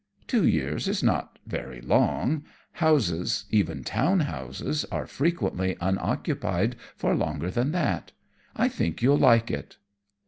"Two years is not very long. Houses even town houses are frequently unoccupied for longer than that. I think you'll like it."